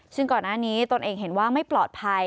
ซึ่งก่อนหน้านี้ตนเองเห็นว่าไม่ปลอดภัย